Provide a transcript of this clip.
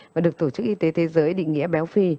và được tổ chức y tế thế giới định nghĩa béo phì